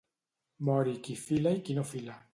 Mori qui fila i qui no fila.